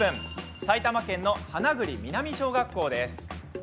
埼玉県の花栗南小学校です。